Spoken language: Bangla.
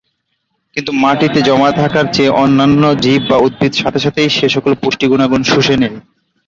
কিন্তু মাটিতে জমা থাকার চেয়ে অন্যান্য জীব বা উদ্ভিদ সাথে সাথেই সেসকল পুষ্টি গুণাগুণ শুষে নেয়।